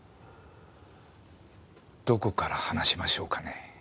どこから話しましょうかね？